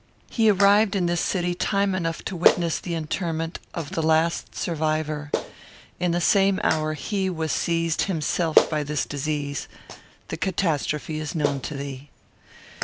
He arrived in this city time enough to witness the interment of the last survivor. In the same hour he was seized himself by this disease: the catastrophe is known to thee.